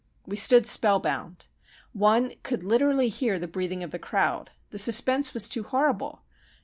We stood spellbound. One could literally hear the breathing of the crowd. The suspense was too horrible.